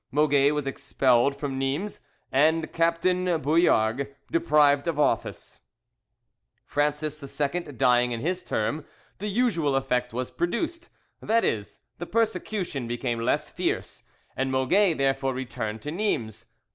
Moget was expelled from Nimes, and Captain Bouillargues deprived of office. Francis II dying in his turn, the usual effect was produced,—that is, the persecution became less fierce,—and Moget therefore returned to Nimes.